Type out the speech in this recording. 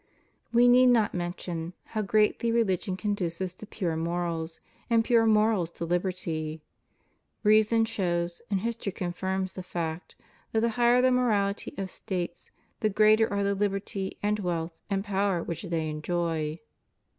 We need not mention how greatly religion conduces to pure morals, and pure morals to liberty. Reason shows, and history confirms the fact, that the \ higher the morality of States, the greater are the liberty » and wealth and power which they enjoy.